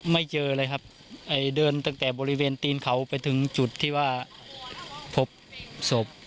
ไม่เจอเลยครับเดินตั้งแต่บริเวณตีนเขาไปถึงจุดที่ว่าพบศพ